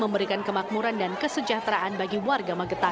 memberikan kemakmuran dan kesejahteraan bagi warga magetan